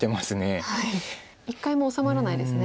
一回も収まらないですね。